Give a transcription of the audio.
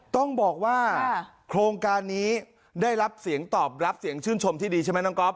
ต้องบอกว่าโครงการนี้ได้รับเสียงตอบรับเสียงชื่นชมที่ดีใช่ไหมน้องก๊อฟ